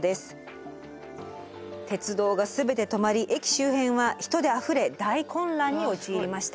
鉄道が全て止まり駅周辺は人であふれ大混乱に陥りました。